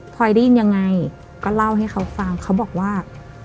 พอยได้ยินยังไงก็เล่าให้เขาฟังเขาบอกว่า